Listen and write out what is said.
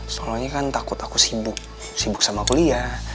soalnya kan takut aku sibuk sibuk sama kuliah